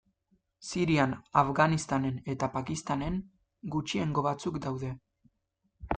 Sirian, Afganistanen eta Pakistanen, gutxiengo batzuk daude.